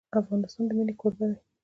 افغانستان د منی کوربه دی.